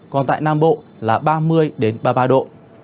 còn tại nam bộ là ba mươi ba mươi ba độ